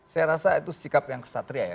saya rasa itu sikap yang kesatria ya